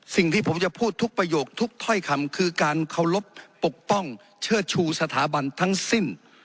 สิ่งที่ผมจะพูดทุกประโยคทุกถ้อยคำคือการเคารพปกป้องเชื่อชูสถาบันทั้งสิ้น